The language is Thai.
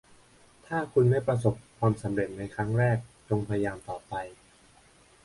ถ้าคุณไม่ประสบความสำเร็จในครั้งแรก จงพยายามต่อไป